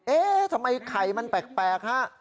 เอ๊ะทำไมไข่มันแปลกฮะ